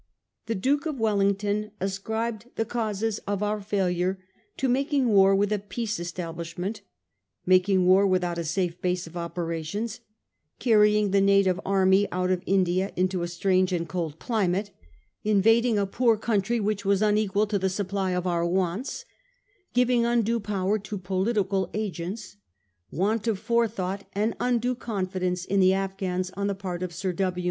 The Duke of Wellington ascribed the causes of our failure to making war with a peace establishment; making war without a safe base of operations; carrying the native army out of India into a strange and cold climate ; invading a poor country which was unequal to the supply of our wants ; giving undue power to political agents ; want of forethought and undue confidence in the Afghans on the part of Sir W.